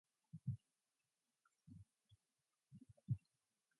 Lori is the sister of actor and comedian Tom Arnold.